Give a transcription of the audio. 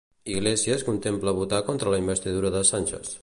Iglesias contempla votar contra la investidura de Sánchez.